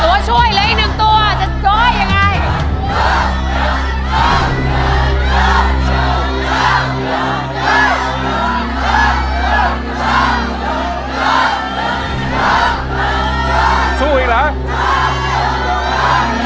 ตัวช่วยเหลืออีก๑ตัวจะสวยยังไง